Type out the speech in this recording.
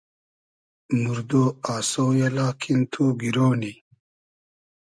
موردۉ آسۉ یۂ لاکین تو گیرۉ نی